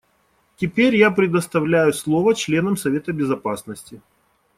Теперь я предоставляю слово членам Совета Безопасности.